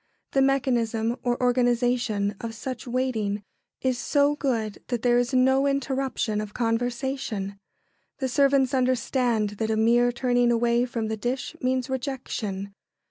The mechanism or organisation of such waiting is so good that there is no interruption of conversation. The servants understand that a mere turning away from the dish means rejection.